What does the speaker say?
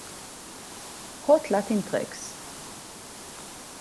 Hot Latin Tracks.